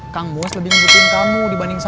kang mus lebih mengejutungen kamu dibanding saya